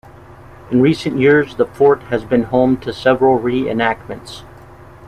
In recent years, the fort has been home to several re-enactments.